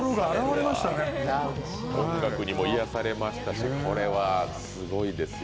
音楽にも癒やされましたしこれはすごいですよ。